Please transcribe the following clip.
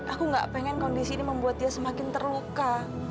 aku gak pengen kondisi ini membuat dia semakin terluka